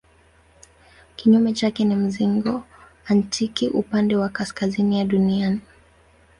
Kinyume chake ni mzingo antaktiki upande wa kaskazini ya Dunia.